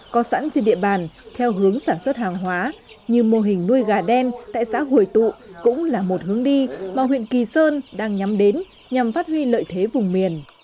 có sẵn trên địa bàn theo hướng sản xuất hàng hóa như mô hình nuôi gà đen tại xã hồi tụ cũng là một hướng đi mà huyện kỳ sơn đang nhắm đến nhằm phát huy lợi thế vùng miền